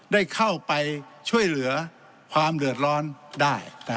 ได้เข้าไปช่วยเหลือความเดือดร้อนได้